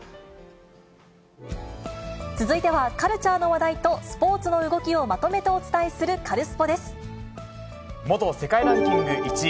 続いては、カルチャーの話題とスポーツの動きをまとめてお伝えする、カルス元世界ランキング１位、